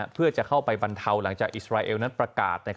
เพื่อจะเข้าไปบรรเทาหลังจากอิสราเอลนั้นประกาศ